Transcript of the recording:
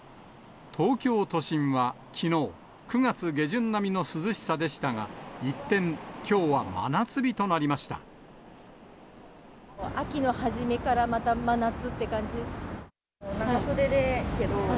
東京都心は、きのう、９月下旬並みの涼しさでしたが、一転、きょうは真夏日となりまし秋の初めからまた真夏って感長袖ですけど。